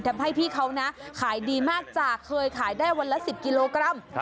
ทำให้พี่เขานะขายดีมากจากเคยขายได้วันละ๑๐กิโลกรัม